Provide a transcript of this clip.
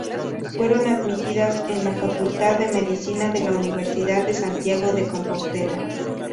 Fueron admitidas en la Facultad de Medicina de la Universidad de Santiago de Compostela.